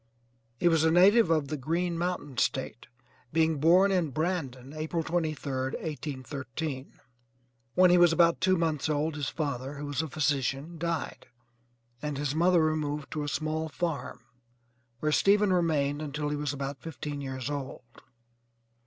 He was a native of the 'Green Mountain State,' being born at Brandon, April 23d, 1813. When he was about two months old his father, who was a physician, died, and his mother removed to a small farm, where Stephen remained until he was about fifteen years old.